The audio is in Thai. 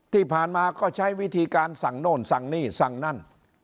ที่ผ่านมาก็ใช้วิธีการสั่งโน่นสั่งนี่สั่งนั่น